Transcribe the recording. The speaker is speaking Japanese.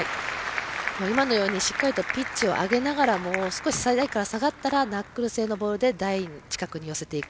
今のようにしっかりとピッチを上げながらも少し台から下がったらナックル性のボールで台の近くに寄せていく。